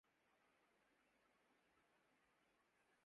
کی جس سے بات اسنے شکایت ضرور کی